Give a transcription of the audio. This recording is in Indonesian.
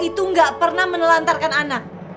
itu nggak pernah menelantarkan anak